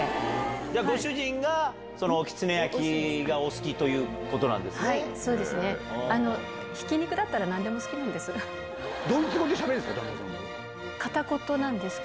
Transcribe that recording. じゃあ、ご主人が、そのおきつね焼きがお好きということなんですね。